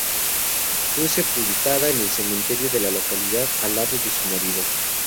Fue sepultada en el cementerio de la localidad al lado de su marido.